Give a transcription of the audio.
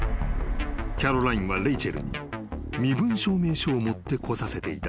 ［キャロラインはレイチェルに身分証明書を持ってこさせていた］